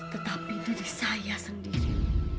tetapi diri saya sendiri